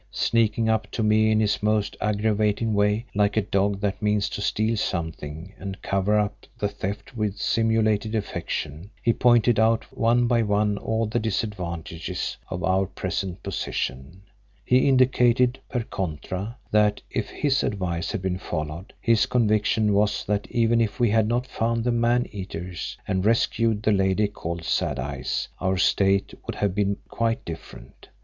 Sneaking up to me in his most aggravating way, like a dog that means to steal something and cover up the theft with simulated affection, he pointed out one by one all the disadvantages of our present position. He indicated per contra, that if his advice had been followed, his conviction was that even if we had not found the man eaters and rescued the lady called Sad Eyes, our state would have been quite different.